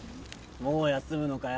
もう休むのかよ。